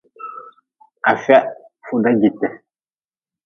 Afia fuda jite.